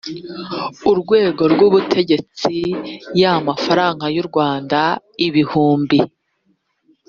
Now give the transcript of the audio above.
urwego rw ubutegetsi y amafaranga y u rwanda ibihumbi